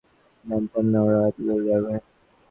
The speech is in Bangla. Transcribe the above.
জানতাম না ওরা এতদূর যাবে।